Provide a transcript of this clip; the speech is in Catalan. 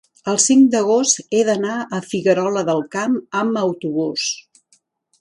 el cinc d'agost he d'anar a Figuerola del Camp amb autobús.